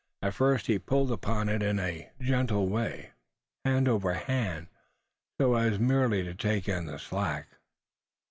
At first he pulled upon it in a gentle way hand over hand so as merely to take in the slack.